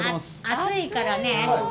熱いからね。